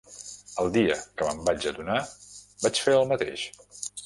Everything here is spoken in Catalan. El dia que me'n vaig adonar vaig fer el mateix.